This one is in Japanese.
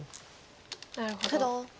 なるほど。